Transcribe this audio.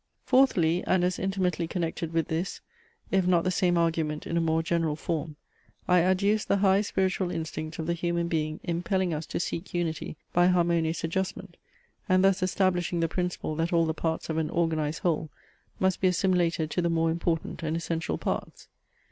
Fourthly, and as intimately connected with this, if not the same argument in a more general form, I adduce the high spiritual instinct of the human being impelling us to seek unity by harmonious adjustment, and thus establishing the principle that all the parts of an organized whole must be assimilated to the more important and essential parts.